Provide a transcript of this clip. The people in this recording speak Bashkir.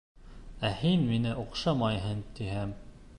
Ә һин миңә оҡшамайһың, тиһәм.